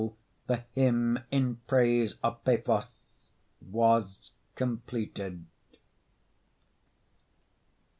the hymn in praise of Paphos Was completed.